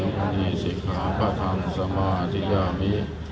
อธินาธาเวระมะนิสิขาปะทังสมาธิยามี